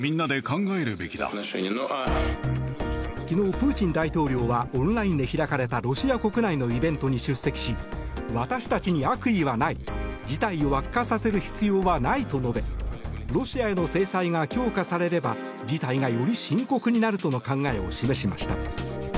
昨日、プーチン大統領はオンラインで開かれたロシア国内のイベントに出席し私たちに悪意はない事態を悪化させる必要はないと述べロシアへの制裁が強化されれば事態がより深刻になるとの考えを示しました。